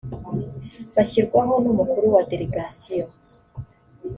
bashyirwaho n umukuru wa delegation